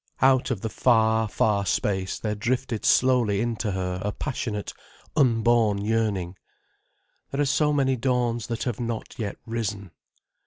Out of the far, far space there drifted slowly in to her a passionate, unborn yearning. "There are so many dawns that have not yet risen."